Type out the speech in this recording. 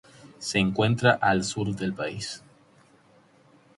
Se encuentra al sur del país.